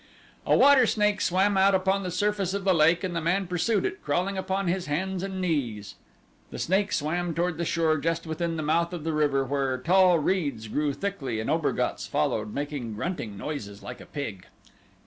A water snake swam out upon the surface of the lake and the man pursued it, crawling upon his hands and knees. The snake swam toward the shore just within the mouth of the river where tall reeds grew thickly and Obergatz followed, making grunting noises like a pig.